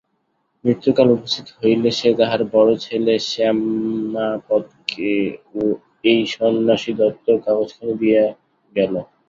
মৃত্যুকাল উপস্থিত হইলে সে তাহার বড়ো ছেলে শ্যামাপদকে এই সন্ন্যাসীদত্ত কাগজখানি দিয়া গেল।